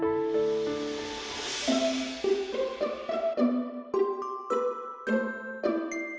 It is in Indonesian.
tadi kadang kadang saya ini k influential